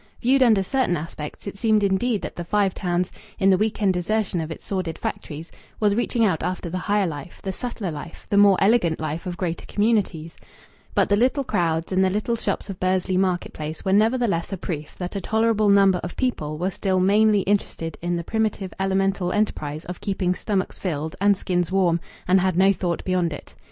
Viewed under certain aspects, it seemed indeed that the Five Towns, in the week end desertion of its sordid factories, was reaching out after the higher life, the subtler life, the more elegant life of greater communities; but the little crowds and the little shops of Bursley market place were nevertheless a proof that a tolerable number of people were still mainly interested in the primitive elemental enterprise of keeping stomachs filled and skins warm, and had no thought beyond it.